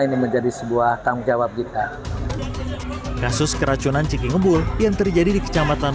ini menjadi sebuah tanggung jawab kita kasus keracunan ciki ngebul yang terjadi di kecamatan